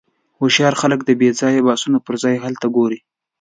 هوښیار خلک د بېځایه بحثونو پر ځای حل ته ګوري.